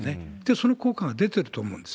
その効果が出てると思うんです。